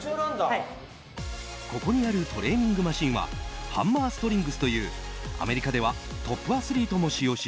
ここにあるトレーニングマシンはハンマーストリングスというアメリカではトップアスリートも使用し